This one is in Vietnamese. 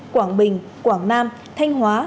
quảng bình quảng nam thanh hóa